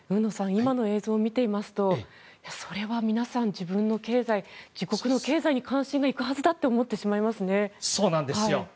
今の映像を見ていますとそれは皆さん自分の経済自国の経済に関心が行くはずだと思ってしまいますよね。